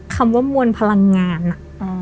คำว่ามวลพลังงานอะ